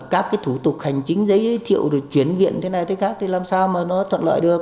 các thủ tục hành chính giấy thiệu chuyển viện thế này thế khác thì làm sao mà nó thuận lợi được